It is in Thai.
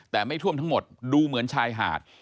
แต่ไม่ท่วมทั้งหมดดูเหมือนชายหาด